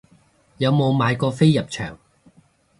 有冇買過飛入場